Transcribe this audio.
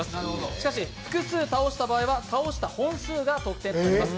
しかし、複数倒した場合は倒した本数が得点になります。